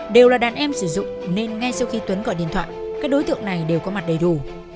đều là đàn em sử dụng nên ngay sau khi tuấn gọi điện thoại các đối tượng này đều có mặt đầy đủ